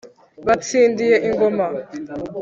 batsindiye ingoma